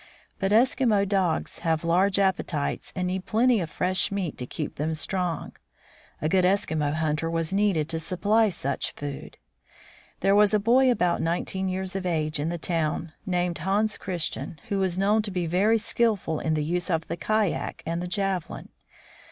But Eskimo dogs have large appetites and need plenty of fresh meat to keep them strong ; a good Eskimo hunter was needed to supply such food. There was a boy about nineteen years of age in the town, named Hans Christian, who was known to be very skillful in the use of the kayak and the javelin.